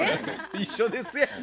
一緒ですやん。